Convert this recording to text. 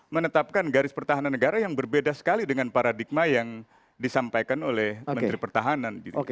menetapkan garis pertahanan negara yang berbeda sekali dengan paradigma yang disampaikan oleh menteri pertahanan